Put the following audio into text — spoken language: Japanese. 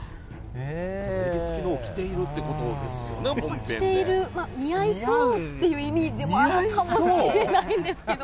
襟つきのを着ているというこ着ている、似合そうっていう意味でもあるかもしれないんですけど。